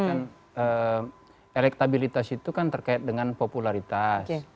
karena elektabilitas itu kan terkait dengan popularitas